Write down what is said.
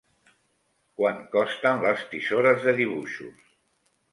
Quant costen les tisores de dibuixos?